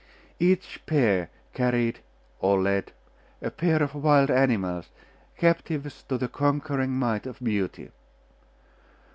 Each pair carried or led a pair of wild animals, captives of the conquering might of Beauty.